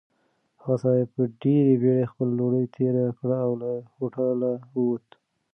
هغه سړي په ډېرې بېړۍ خپله ډوډۍ تېره کړه او له هوټله ووت.